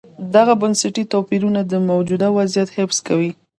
دغه بنسټي توپیرونه د موجوده وضعیت حفظ کوي.